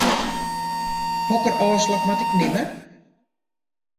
Hokker ôfslach moat ik nimme?